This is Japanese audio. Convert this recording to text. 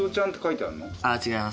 ああ違います。